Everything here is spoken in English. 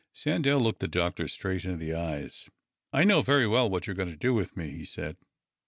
Sandell looked the doctor straight in the eyes. " I know very well what you are going to do with me," he said.